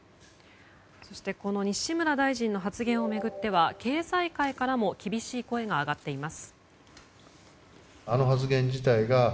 この西村大臣の発言を巡っては経済界からも厳しい声が上がっています。